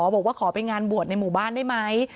บอกว่าขอไปงานบวชในหมู่บ้านได้ไหม